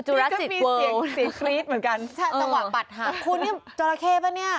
เหมือนกันใช่จังหวะปัดค่ะคุณเนี่ยจอราเคป่ะเนี่ย